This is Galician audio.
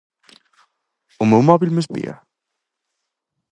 O meu móbil me espía?